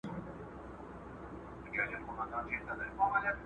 که وینه نامناسبه وي، بدن یې ردوي.